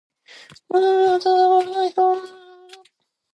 寝ても冷めても忘れないこと。また、人を思う情が切ないこと。